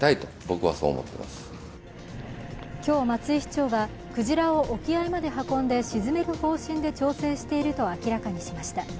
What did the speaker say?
今日、松井市長はクジラを沖合まで運んで沈める方針で調整していると明らかにしました。